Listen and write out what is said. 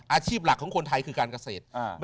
อาชีพหลักของคนไทยคือการเกษตร